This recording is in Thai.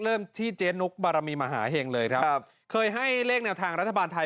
เริ่มที่เจ๊นุกบารมีมหาเห็งเลยครับครับเคยให้เลขแนวทางรัฐบาลไทย